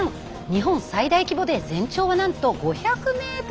日本最大規模で全長はなんと５００ｍもあるんです。